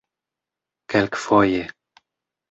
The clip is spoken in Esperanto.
kelkfoje